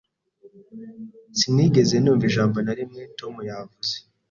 Sinigeze numva ijambo na rimwe Tom yavuze.